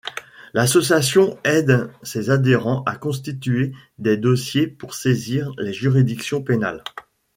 L’association aide ses adhérents à constituer des dossiers pour saisir les juridictions pénales.